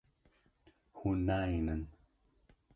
Hûn nayînin.